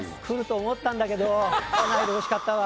来ると思ったんだけど。